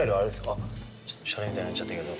あちょっとしゃれみたいになっちゃったけど。